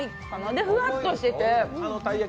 で、ふわっとしてて。